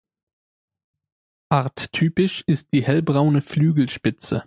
Arttypisch ist die hellbraune Flügelspitze.